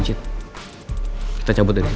hai cid kita cabut dulu